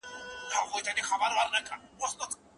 املا د ماشومانو د لیدلو وړتیا هم پیاوړې کوي.